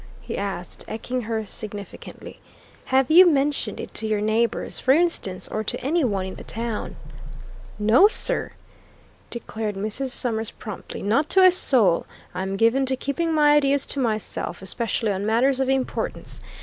he asked, eking her significantly. "Have you mentioned it to your neighbours, for instance, or to any one in the town?" "No, sir!" declared Mrs. Summers promptly. "Not to a soul! I'm given to keeping my ideas to myself, especially on matters of importance.